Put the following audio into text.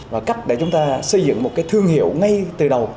và cách để chúng ta xây dựng một cái thương hiệu ngay từ đầu